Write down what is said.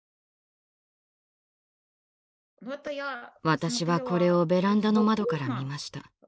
私はこれをベランダの窓から見ました。